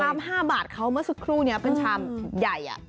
๕บาทเขาเมื่อสักครู่นี้เป็นชามใหญ่